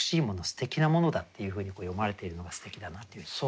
すてきなものだっていうふうに詠まれているのがすてきだなっていうふうに感じました。